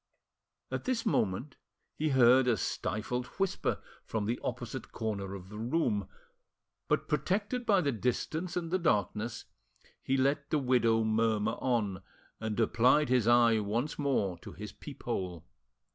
At this moment he heard a stifled whisper from the opposite corner of the room, but, protected by the distance and the darkness, he let the widow murmur on, and applied his eye once more to his peephole.